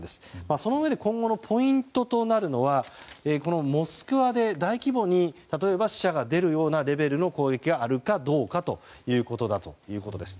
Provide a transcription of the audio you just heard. そのうえで今後のポイントとなるのはモスクワで大規模に例えば死者が出るようなレベルの攻撃があるかどうかということです。